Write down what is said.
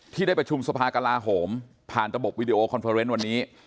ที่ได้ประชุมสภากลาโหมผ่านระบบวิดีโอคอนเฟอร์เนนต์วันนี้